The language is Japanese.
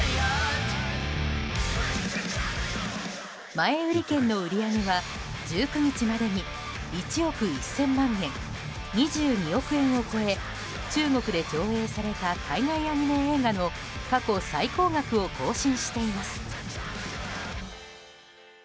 前売り券の売り上げは１９日までに１億１０００万元２２億円を超え中国で上映された海外アニメ映画の過去最高額を更新しています。